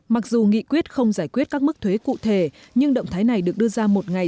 mặc dù nghị quyết không giải quyết các mức thuế cụ thể nhưng động thái này được đưa ra một ngày